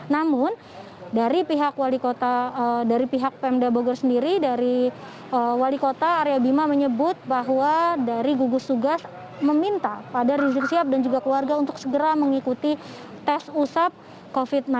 namun dari pihak wali kota dari pihak pmd bogor sendiri dari wali kota arya bima menyebut bahwa dari gugus tugas meminta pada rizik shihab dan juga keluarga untuk segera mengikuti tes usaha